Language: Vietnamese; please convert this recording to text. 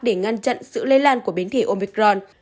để ngăn chặn sự lây lan của biến thể omicron